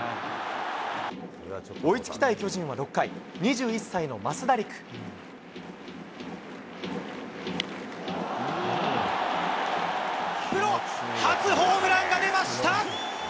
追いつきたい巨人は６回、プロ初ホームランが出ました！